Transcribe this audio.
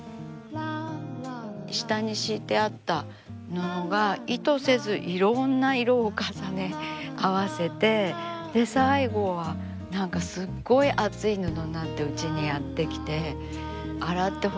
下に敷いてあった布が意図せずいろんな色を重ね合わせて最後は何かすっごい厚い布になってうちにやって来て洗って干して洗って干してを繰り返すうちに